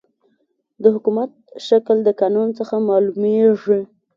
د حکومت شکل د قانون څخه معلوميږي.